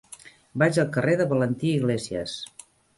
Vaig al carrer de Valentí Iglésias.